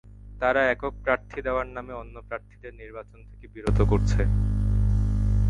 তারা একক প্রার্থী দেওয়ার নামে অন্য প্রার্থীদের নির্বাচন থেকে বিরত করছে।